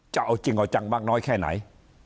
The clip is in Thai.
จะเอาจริงเอาจังมากน้อยแค่ไหน